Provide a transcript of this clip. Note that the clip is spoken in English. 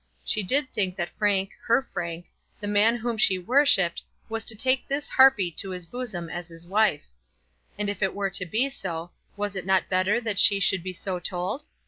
She did think that Frank, her Frank, the man whom she worshipped, was to take this harpy to his bosom as his wife. And if it were to be so, was it not better that she should be so told?